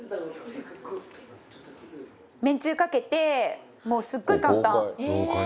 めんつゆかけてもうすごい簡単。